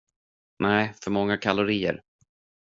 Nej, för många kalorier.